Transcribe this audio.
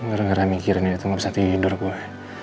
ngeri ngeri mikirin itu gak bisa tidur gue